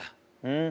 うん？